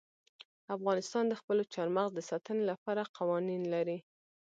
افغانستان د خپلو چار مغز د ساتنې لپاره قوانین لري.